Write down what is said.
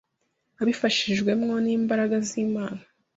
abifashijwemo n’imbaraga z’Imana